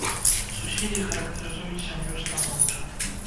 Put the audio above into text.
Суседзі характарызуюць сям'ю станоўча.